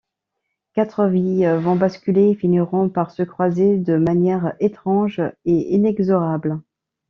Quatre vies vont basculer et finiront par se croiser de manière étrange et inexorable.